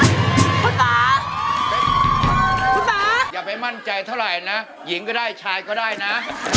คุณป่าคุณตาอย่าไปมั่นใจเท่าไหร่นะหญิงก็ได้ชายก็ได้นะ